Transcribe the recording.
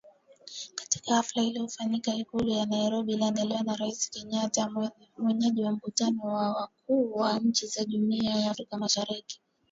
Katika hafla iliyofanyika Ikulu ya Nairobi iliyoandaliwa na Rais Kenyatta mwenyeji wa mkutano wa wakuu wa nchi za Jumuiya ya Afrika Mashariki